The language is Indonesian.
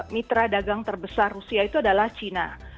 mitra dagang terbesar rusia itu adalah cina